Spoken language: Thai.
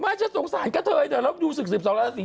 ไม่ฉันสงสารกับเธอเถอะแล้วอยู่๑๒ราศี